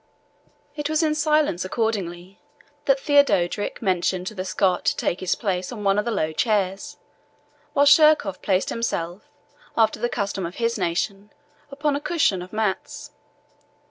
It was in silence, accordingly, that Theodorick motioned to the Scot to take his place on one of the low chairs, while Sheerkohf placed himself, after the custom of his nation, upon a cushion of mats.